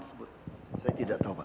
saya tidak tahu pak